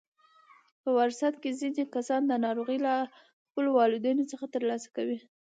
په وراثت کې ځینې کسان دا ناروغي له خپلو والدینو څخه ترلاسه کوي.